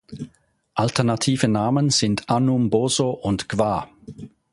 Alternative Namen sind Anum-Boso und Gwa.